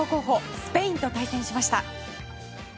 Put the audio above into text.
スペインと対戦しました。